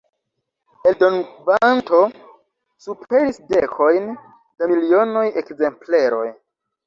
Eldonkvanto superis dekojn da milionoj ekzempleroj.